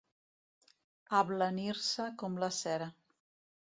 Ablanir-se com la cera.